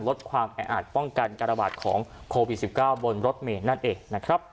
ลดความแออาจป้องกันการระบาดของโควิด๑๙บนรถเมย์นั่นเองนะครับ